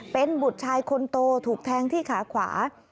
เป็นบุตรชายคนโตถูกแทงที่ขาขวา